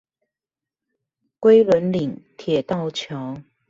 龜崙嶺鐵道橋